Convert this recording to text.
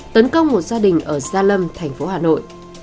tấn công một gia đình ở gia lâm thành phố hà nội